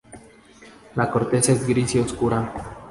La corteza es gris y oscura.